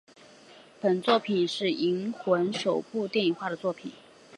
本作品是银魂首部电影化的作品。